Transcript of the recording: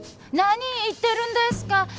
何言ってるんですか！